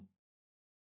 aku mau dia nyakitin bayi